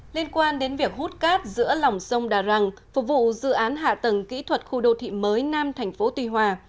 liên quan đến việc hút cát giữa lòng sông đà răng phục vụ dự án hạ tầng kỹ thuật khu đô thị mới nam tp tuy hòa